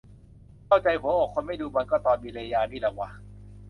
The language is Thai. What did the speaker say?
เข้าใจหัวอกคนไม่ดูบอล ก็ตอนมีเรยานี่แหละว่ะ